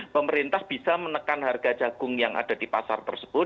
pemerintah bisa menekan harga jagung yang ada di pasar tersebut